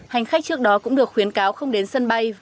hành khách trước đó cũng được khuyến cáo không đến sân bay